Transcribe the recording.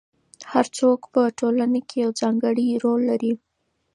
هر څوک په ټولنه کې یو ځانګړی رول لري.